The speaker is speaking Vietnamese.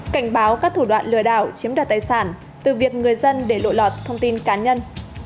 cảnh báo các thủ đoạn lừa đảo chiếm đoạt tài sản từ việc người dân để lộ lọt thông tin cá nhân